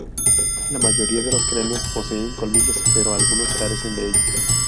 La mayoría de los cráneos poseen colmillos, pero algunos carecen de ellos.